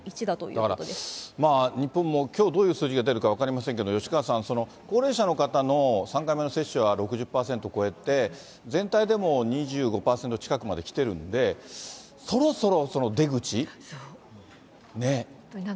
だから、日本もきょう、どういう数字が出るか分かりませんけど、吉川さん、高齢者の方の３回目の接種が６０％超えて、全体でも２５％近くまできてるんで、そろそろ出口？ね。